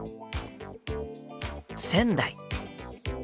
仙台。